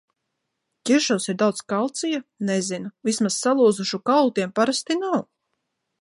Ķiršos ir daudz kalcija? Nezinu. Vismaz salūzušu kaulu tiem parasti nav!